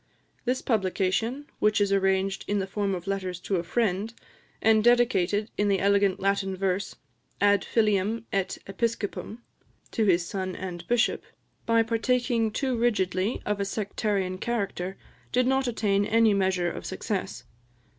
This publication, which is arranged in the form of letters to a friend, and dedicated, in elegant Latin verse, "Ad Filium et Episcopum," (to his son, and bishop), by partaking too rigidly of a sectarian character, did not attain any measure of success.